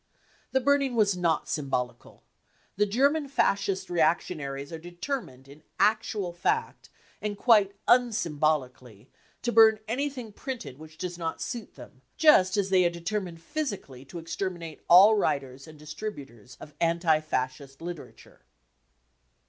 53 The burning was not symbolical. The German Fascist reactionaries are determined in actual fact, and quite unsymbolically, to burn anything printed which does not suit them, just as they are determined physically to exterminate all writers and distributors of anti Fascist literature.